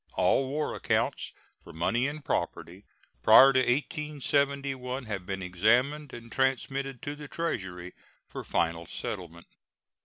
All war accounts, for money and property, prior to 1871 have been examined and transmitted to the Treasury for final settlement.